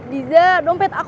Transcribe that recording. di rumah présidentnya